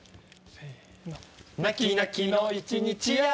泣き泣きの１日や